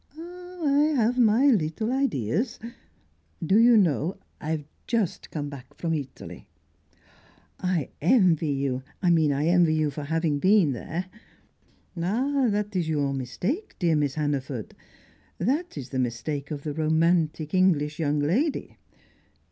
"Oh, I have my little ideas. Do you know, I've just come back from Italy." "I envy you I mean, I envy you for having been there." "Ah, that is your mistake, dear Miss Hannaford! That is the mistake of the romantic English young lady.